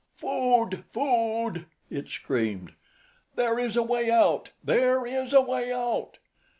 "Food! Food!" it screamed. "There is a way out! There is a way out!"